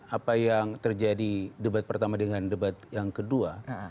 apa yang terjadi debat pertama dengan debat yang kedua